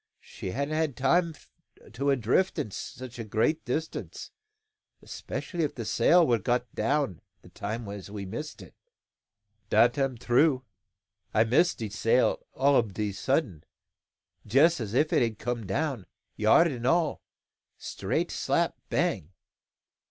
She hadn't had time to a' drifted to such a great distance, 'specially if the sail were got down the time as we missed it." "Dat am true. I miss de sail all ob a sudden, jess as if it had come down, yard an' all, straight slap bang."